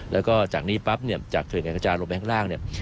แล้วก็จากนี้ปั๊บเนี่ยจากเขื่อนการกระจายลงไปข้างล่างเนี่ย